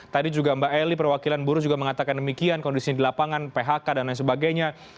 tadi juga mbak eli perwakilan buruh juga mengatakan demikian kondisi di lapangan phk dan lain sebagainya